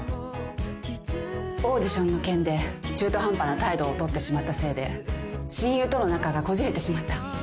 オーディションの件で中途半端な態度を取ってしまったせいで親友との仲がこじれてしまった。